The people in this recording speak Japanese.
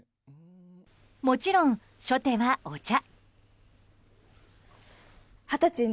もちろん、初手はお茶。